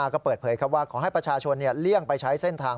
ก็เปิดเผยว่าขอให้ประชาชนเลี่ยงไปใช้เส้นทาง